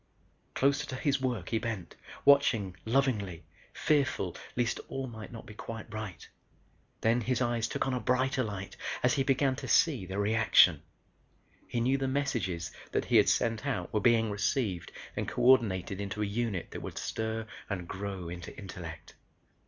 Closer to his work he bent, watching lovingly, fearful least all might not be quite right. Then his eyes took on a brighter light as he began to see the reaction. He knew the messages that he had sent out were being received and coordinated into a unit that would stir and grow into intellect.